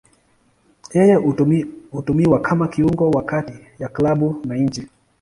Yeye hutumiwa kama kiungo wa kati ya klabu na nchi.